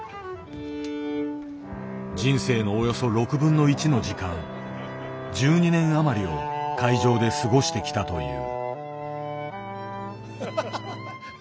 人生のおよそ６分の１の時間１２年余りを会場で過ごしてきたという。